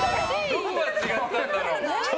どこが違ったんだろう？